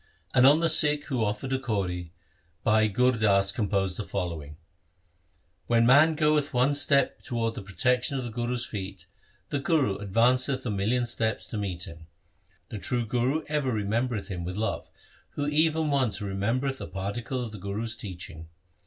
And on the Sikh who offered a kauri Bhai Gur Das composed the following :— When man goeth one step towards the protection of the Guru's feet, the Guru advanceth a million steps to meet him. The true Guru ever remembereth him with love, who even once remembereth a particle of the Guru's teaching.